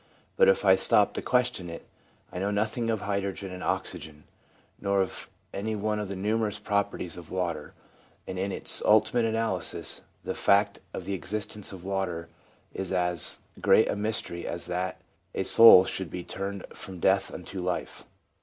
But if I stop to question it, I know nothing of hydrogen and oxygen, nor of any one of the numerous properties of water, and in its ultimate analysis the fact of the existence of water is as great a mystery as that a soul should be turned from death unto life.